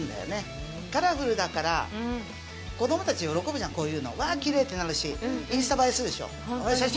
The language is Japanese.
カラフルだから子どもたち喜ぶじゃんこういうのわぁきれいってなるしインスタ映えするでしょ写真！